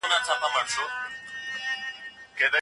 غچ اخیستل یو ډول ځانګړی خوند لري.